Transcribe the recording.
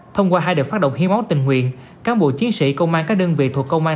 thông qua hai đợt phát động hiến máu tình nguyện cán bộ chiến sĩ công an các đơn vị thuộc công an